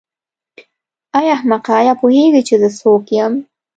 ای احمقه آیا پوهېږې چې زه څوک یم.